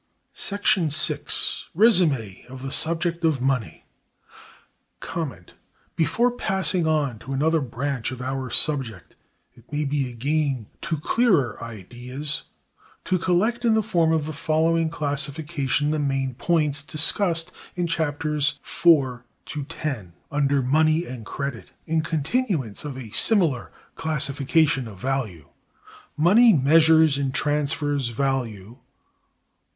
§ 6. Résumé of the subject of money. Before passing on to another branch of our subject, it may be a gain to clearer ideas to collect in the form of the following classification the main points discussed (in Chaps. IV to X) under money and credit, in continuance of a similar classification of value: Money measures and transfers value.